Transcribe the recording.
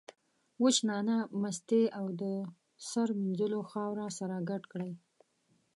وچه نعناع، مستې او د سر مینځلو خاوره سره ګډ کړئ.